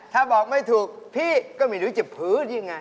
ถ้าบอกไม่ถูกพี่ก็ไม่รู้จะพื้นยังไง